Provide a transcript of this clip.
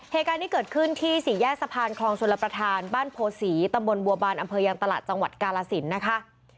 เหตุการณ์นี้เกิดขึ้นที่สี่แยกสะพานคลองชลประธานบ้านโพศีตำบลบัวบานอำเภอยังตลาดจังหวัดกาลสินนะคะ